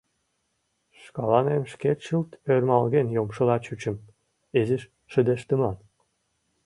Шкаланем шке чылт ӧрмалген йомшыла чучым, изиш шыдештымат.